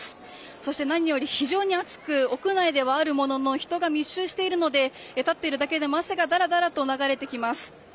そして、何より非常に暑く屋内ではあるものの人が密集しているので立っているだけで汗がだらだら流れてきます。